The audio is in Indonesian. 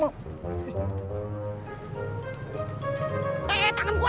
eh tangan gua